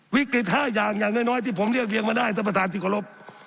๕อย่างอย่างน้อยที่ผมเรียบเรียงมาได้ท่านประธานที่เคารพ